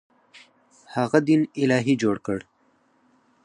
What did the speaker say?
هغه دین الهي جوړ کړ.